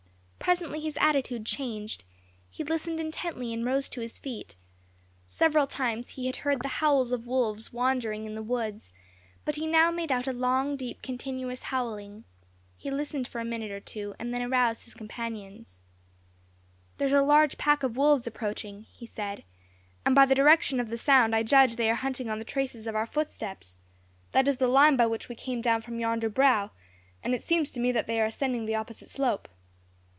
Presently his attitude changed, he listened intently and rose to his feet. Several times he had heard the howls of wolves wandering in the woods, but he now made out a long, deep, continuous howling; he listened for a minute or two and then aroused his companions. "There is a large pack of wolves approaching," he said, "and by the direction of the sound I judge they are hunting on the traces of our footsteps. That is the line by which we came down from yonder brow, and it seems to me that they are ascending the opposite slope."